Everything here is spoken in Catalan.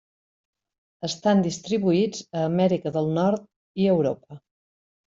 Estan distribuïts a Amèrica del Nord i a Europa.